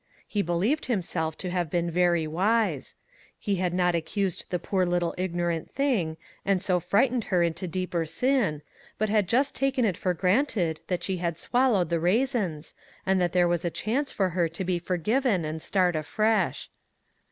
He be lieved himself to have been very wise. He had 95 MAG AND MARGARET not accused the poor little ignorant thing, and so frightened her into deeper sin, but had just taken it for granted that she had swallowed the raisins, and that there was a chance for her to be forgiven and start afresh.